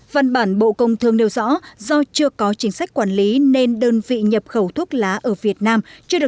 văn bản bộ công thương nêu rõ do chưa có chính sách quản lý nên đơn vị nhập khẩu thuốc lá ở việt nam